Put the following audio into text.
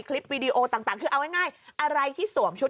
วีดีโอต่างคือเอาง่ายอะไรที่สวมชุด